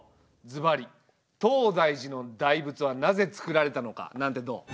ズバリ「東大寺の大仏はなぜ造られたのか？」なんてどう？